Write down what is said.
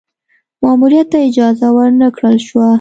ماموریت ته اجازه ور نه کړل شوه.